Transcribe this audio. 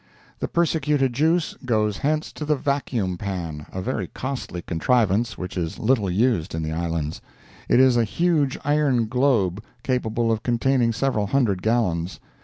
The persecuted juice goes hence to the "vacuum pan"—a very costly contrivance which is little used in the Islands. It is a huge iron globe, capable of containing several hundred gallons.